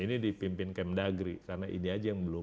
jadi pimpin kem dagri karena ini aja yang